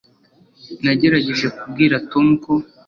nagerageje kubwira tom ko